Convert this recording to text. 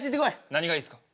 何がいいですか？